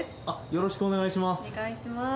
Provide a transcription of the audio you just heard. よろしくお願いします